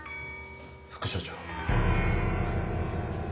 副署長。